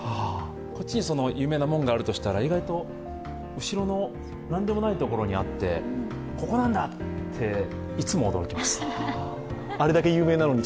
こっちに有名な門があるとしたら、意外と後ろの何でもないところにあって、ここなんだって、いつも驚きます。